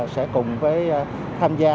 sẽ cùng với tham gia